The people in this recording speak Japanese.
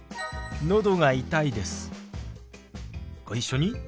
ご一緒に。